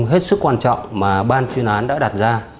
hết sức quan trọng mà ban chuyên án đã đặt ra